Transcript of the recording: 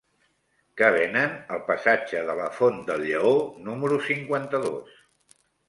Què venen al passatge de la Font del Lleó número cinquanta-dos?